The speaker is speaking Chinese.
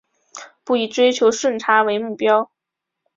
不以追求顺差为目标